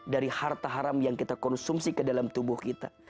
dari harta haram yang kita konsumsi ke dalam tubuh kita